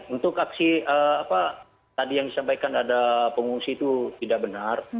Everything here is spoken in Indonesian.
untuk aksi apa tadi yang disampaikan ada pengungsi itu tidak benar